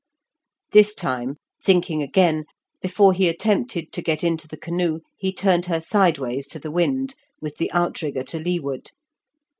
This time, thinking again, before he attempted to get into the canoe he turned her sideways to the wind, with the outrigger to leeward.